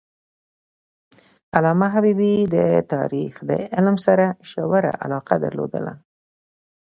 علامه حبیبي د تاریخ د علم سره ژوره علاقه درلودله.